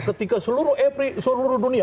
ketika seluruh dunia